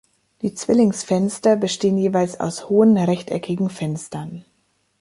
Die Zwillingsfenster bestehen jeweils aus hohen, rechteckigen Fenstern.